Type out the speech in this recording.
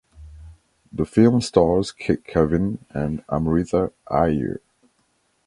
The film stars Kavin and Amritha Aiyer.